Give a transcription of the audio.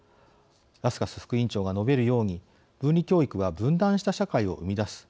ラスカス副委員長が述べるように分離教育は分断した社会を生み出す。